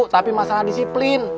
tapi masalah disiplin